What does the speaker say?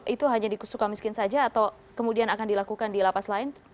itu hanya di sukamiskin saja atau kemudian akan dilakukan di lapas lain